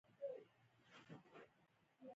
زه دا حق لرم، ناړې یې تېرې کړې.